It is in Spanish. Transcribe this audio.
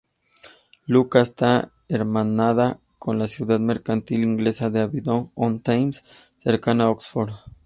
Lucca está hermanada con la ciudad mercantil inglesa de Abingdon-on-Thames, cercana a Oxford.